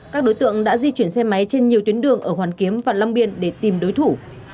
các đối tượng đã di chuyển xe máy trên nhiều tuyến đường ở hoàn kiếm và long biên để tìm đối thủ